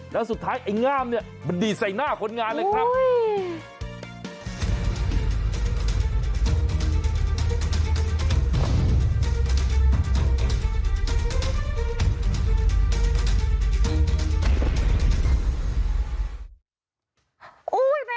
แล้วสุดท้ายไอ้ง่ามดีใส่หน้าของงานเลยครับ